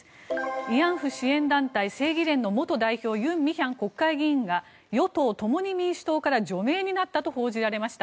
慰安婦支援団体の正義連元代表ユン・ミヒャン国会議員が与党・共に民主党から除名になったと報じられました。